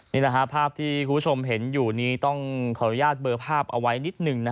ภาพที่คุณผู้ชมเห็นอยู่นี้ต้องขออนุญาตเบอร์ภาพเอาไว้นิดหนึ่ง